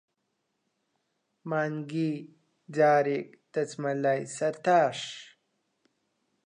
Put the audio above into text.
مانگی جارێک، دەچمە لای سەرتاش.